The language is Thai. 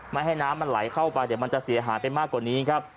ไม่ให้น้ำมันไหลเข้าไปเดี๋ยวมันจะเสียหายไปมากกว่านี้ครับ